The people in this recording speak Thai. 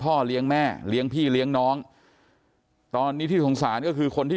พ่อเลี้ยงแม่เลี้ยงพี่เลี้ยงน้องตอนนี้ที่สงสารก็คือคนที่